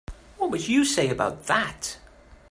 What would you say about that?